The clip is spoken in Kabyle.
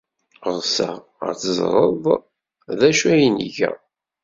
Ɣseɣ ad teẓred d acu ay nga.